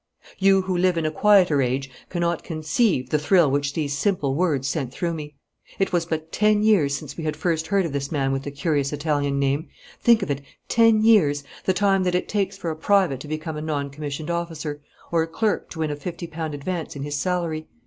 You who live in a quieter age cannot conceive the thrill which these simple words sent through me. It was but ten years since we had first heard of this man with the curious Italian name think of it, ten years, the time that it takes for a private to become a non commissioned officer, or a clerk to win a fifty pound advance in his salary.